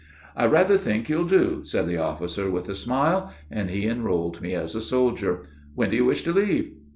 'I rather think you'll do,' said the officer with a smile, and he enrolled me as a soldier. 'When do you wish to leave?'